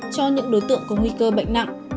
cho những đối tượng có nguy cơ bệnh nặng